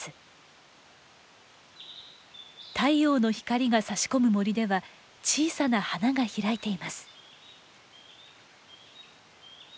太陽の光がさし込む森では小さな花が開いています。